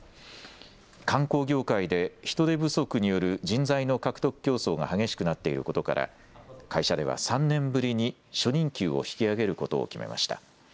観光業界で人手不足による人材の獲得競争が激しくなっていることから会社では３年ぶりに初任給を引き上げることを決めました。